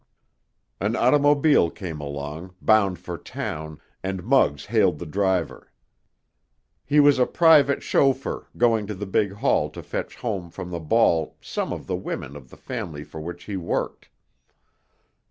An automobile came along, bound for town, and Muggs hailed the driver. He was a private chauffeur going to the big hall to fetch home from the ball some of the women of the family for which he worked.